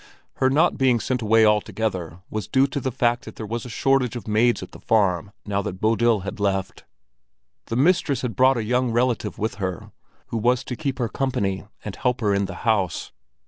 Her not being sent away altogether was due to the fact that there was a shortage of maids at the farm now that Bodil had left. The mistress had brought a young relative with her, who was to keep her company and help her in the house.